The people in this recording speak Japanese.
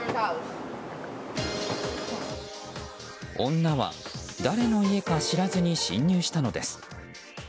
女は誰の家か知らずに侵入したのです。